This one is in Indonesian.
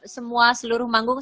semua seluruh manggung